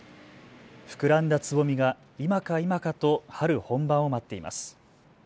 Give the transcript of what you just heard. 膨らんだつぼみが今か今かと春本番を待っています。